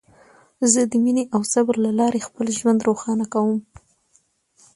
زه د مینې او صبر له لارې خپل ژوند روښانه کوم.